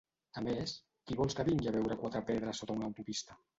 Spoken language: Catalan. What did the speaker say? A més, qui vols que vingui a veure quatre pedres sota una autopista?